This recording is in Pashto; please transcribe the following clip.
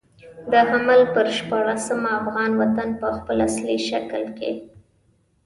د حمل پر شپاړلسمه افغان وطن په خپل اصلي شکل کې.